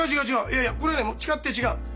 いやいやこれね誓って違う！